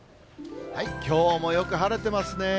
きょうもよく晴れてますね。